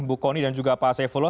bu kony dan juga pak saifullah